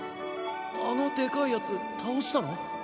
あのでかい奴倒したの？